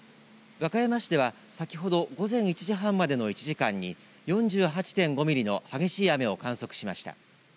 和歌山市では先ほど午前１時半までの１時間に４８．５ミリの激しい雨を観測しました。